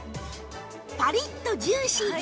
パリッとジューシー！